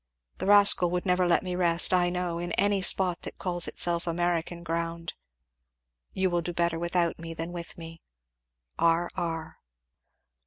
The rascal would never let me rest, I know, in any spot that calls itself American ground. "You will do better without me than with me. "R. R."